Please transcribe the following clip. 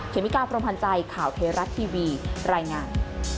เคมิการ์ประพันธ์ใจข่าวเทรัตน์ทีวีรายงาน